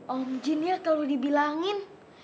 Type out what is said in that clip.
om junnya kalo dibilangin